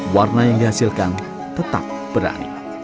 warna yang dihasilkan tetap berani